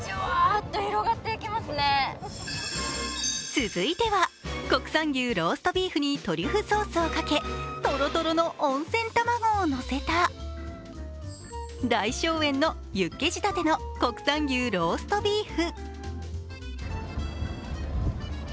続いては、国産牛ローストビーフにトリュフソースをかけとろとろの温泉卵をのせた大翔園のユッケ仕立ての国産牛ローストビーフ。